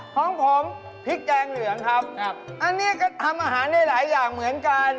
ของผมพริกแกงเหลืองครับครับอันนี้ก็ทำอาหารได้หลายอย่างเหมือนกัน